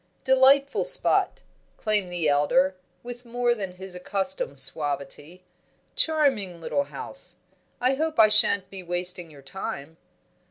"Delightful spot!" exclaimed the elder, with more than his accustomed suavity. "Charming little house! I hope I shan't be wasting your time?"